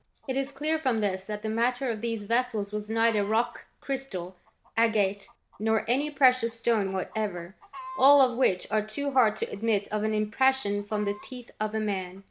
"* It is clear from this that the matter of these vessels was neither rock crystal, agate, nor any precious stone whatever, all of which are too hard to admit of an impression from the teeth of a man.